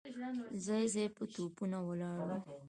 ځای ځای به توپونه ولاړ وو.